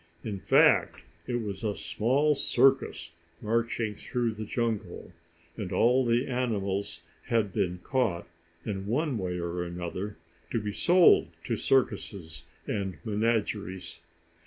In fact, it was a small circus marching through the jungle, and all the animals had been caught, in one way or another, to be sold to circuses and menageries.